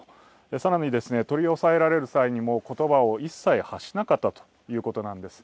更に、取り押さえられる際にも言葉を一切発しなかったということなんです。